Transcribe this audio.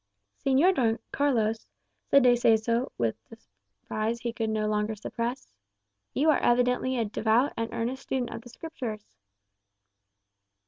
'" "Señor Don Carlos," said De Seso, with surprise he could no longer suppress, "you are evidently a devout and earnest student of the Scriptures."